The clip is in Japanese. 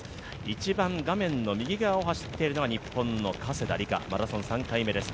一番画面の右側を走っているのが日本の加世田梨花、マラソン３回目です、